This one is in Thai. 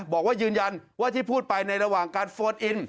บอกว่ายืนยันว่าที่พูดไปในระหว่างการโฟนอิน